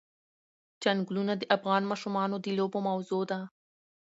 چنګلونه د افغان ماشومانو د لوبو موضوع ده.